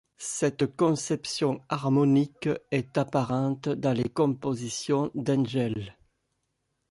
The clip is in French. Cette conception harmonique est apparente dans les compositions d'Engel.